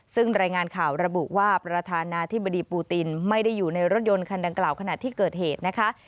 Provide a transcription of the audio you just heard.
ซึ่งรายงานข่าวระบุว่าประธานาธิบดีปูตินไม่ได้อยู่ในรถยนต์คันดังกล่าวขณะที่เกิดเหตุนะคะ